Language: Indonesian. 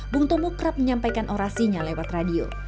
bung tomo kerap menyampaikan orasinya lewat radio